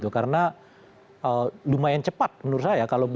karena lumayan cepat menurut saya